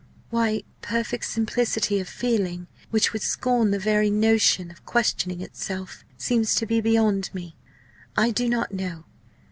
Why perfect simplicity of feeling which would scorn the very notion of questioning itself seems to be beyond me, I do not know.